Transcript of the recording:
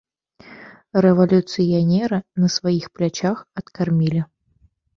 Рэвалюцыянера на сваіх плячах адкармілі.